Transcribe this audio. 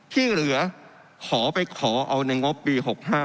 ที่เหลือขอไปขอเอาในงบปี๖๕